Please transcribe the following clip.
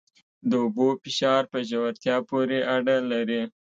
د اوبو فشار په ژورتیا پورې اړه لري.